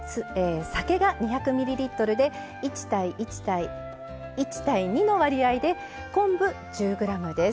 酒が２００ミリリットルで１対１対１対２の割合で昆布１０ｇです。